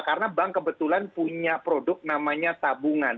karena bank kebetulan punya produk namanya tabungan